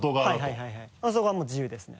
はいはいそこはもう自由ですね